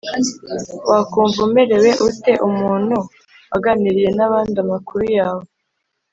Wakumva umerewe ute umuntu aganiriye nabandi amakuru yawe